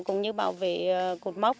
cũng như bảo vệ cột mốc